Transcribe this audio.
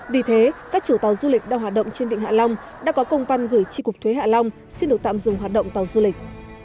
vì thế các chủ tàu du lịch đang hoạt động trên vịnh hạ long đã có công văn gửi tri cục thuế hạ long xin được tạm dừng hoạt động tàu du lịch